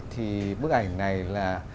thì bức ảnh này là